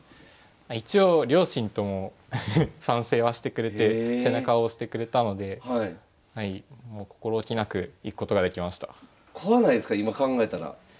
一応両親とも賛成はしてくれて背中を押してくれたのでもう心おきなくいくことができました。